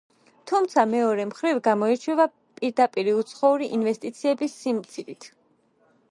თუმცა, მეორე მხრივ, გამოირჩევა პირდაპირი უცხოური ინვესტიციების სიმცირით.